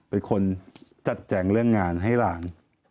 เป็นคนจัดแจงเรื่องงานให้หลาน